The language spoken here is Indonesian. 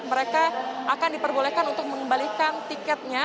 mereka akan diperbolehkan untuk mengembalikan tiketnya